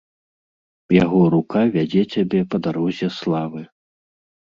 Яго рука вядзе цябе па дарозе славы.